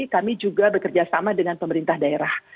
kami juga bekerja sama dengan pemerintah daerah